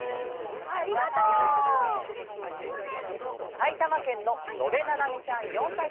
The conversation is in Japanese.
さいたまけんののべななみちゃん４さいから。